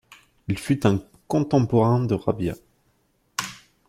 Il fut un contemporain de Rabia.